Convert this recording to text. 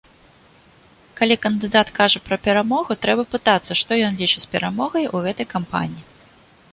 Калі кандыдат кажа пра перамогу, трэба пытацца, што ён лічыць перамогай у гэтай кампаніі.